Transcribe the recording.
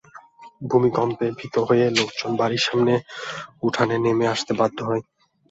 ভূমিকম্পে ভিত হয়ে লোকজন বাড়ির সামনের উঠানে নেমে আসতে বাধ্য হয়।